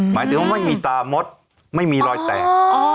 หมายถึงว่าไม่มีตามดไม่มีรอยแตก